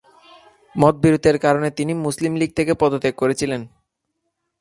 মতবিরোধের কারণে তিনি মুসলিম লীগ থেকে পদত্যাগ করেছিলেন।